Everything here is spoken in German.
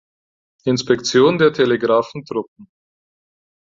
Inspektion der Telegraphen-Truppen.